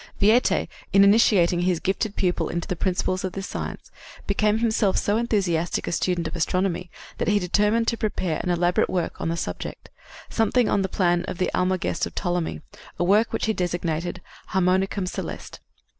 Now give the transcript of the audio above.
Viète, in initiating his gifted pupil into the principles of this science, became himself so enthusiastic a student of astronomy that he determined to prepare an elaborate work on the subject something on the plan of the Almagest of Ptolemy a work which he designated Harmonicum Celeste.